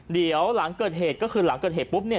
เดี๋ยวหลังเกิดเหตุก็คือหลังเกิดเหตุปุ๊บเนี่ย